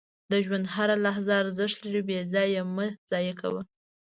• د ژوند هره لحظه ارزښت لري، بې ځایه یې مه ضایع کوه.